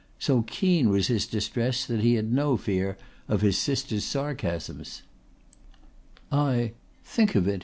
So keen was his distress that he had no fear of his sister's sarcasms. "I think of it!"